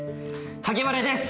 萩原です！